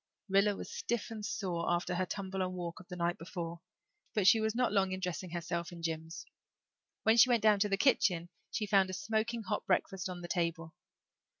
Rilla was stiff and sore after her tumble and walk of the night before but she was not long in dressing herself and Jims. When she went down to the kitchen she found a smoking hot breakfast on the table.